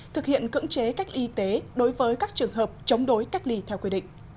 thực hiện cưỡng chế cách ly y tế đối với các trường hợp chống đối cách ly theo quy định